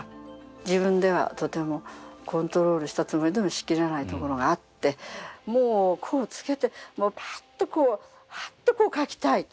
自分ではとてもコントロールしたつもりでもしきれないところがあってもうこうつけてパッとこうハッとこう描きたいと。